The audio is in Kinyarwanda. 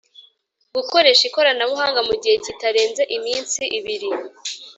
gukoresha ikoranabuhanga mu gihe kitarenze iminsi ibiri